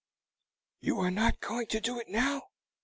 "You are not going to do it now?"